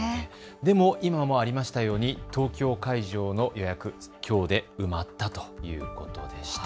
でも今もありましたように、東京会場の予約、きょうで埋まったということでした。